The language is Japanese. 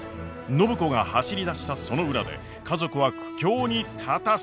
暢子が走りだしたその裏で家族は苦境に立たされていた！？